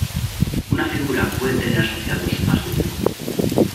Una figura puede tener asociados más de un foco.